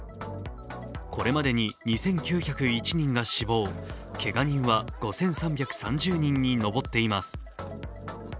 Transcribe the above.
これまでに２９０１人が死亡、けが人は５３３０人にのぼっています。